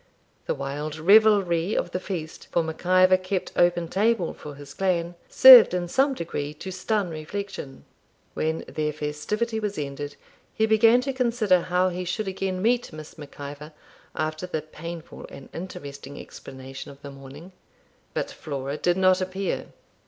The wild revelry of the feast, for Mac Ivor kept open table for his clan, served in some degree to stun reflection. When their festivity was ended, he began to consider how he should again meet Miss Mac Ivor after the painful and interesting explanation of the morning. But Flora did not appear.